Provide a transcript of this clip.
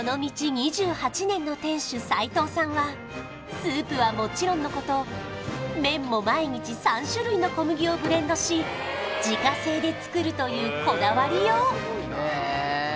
２８年の店主齊藤さんはスープはもちろんのこと麺も毎日３種類の小麦をブレンドし自家製で作るというこだわりよう